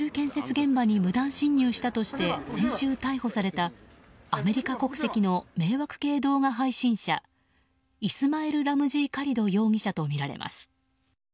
現場に無断侵入したとして先週、逮捕されたアメリカ国籍の迷惑系動画配信者イスマエル・ラムジー・カリド容疑者とみられます。